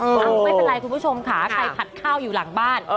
ไม่เป็นไรคุณผู้ชมค่ะใครผัดข้าวอยู่หลังบ้าน